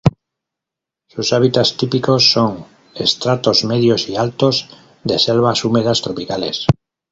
Sus hábitats típicos son estratos medios y altos de selvas húmedas tropicales.